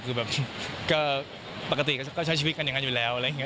คือแบบก็ปกติก็ใช้ชีวิตกันอย่างนั้นอยู่แล้วอะไรอย่างนี้